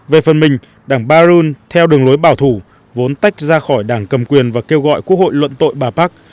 về phần mình đảng barun theo đường lối bảo thủ vốn tách ra khỏi đảng cầm quyền và kêu gọi quốc hội luận tội bà park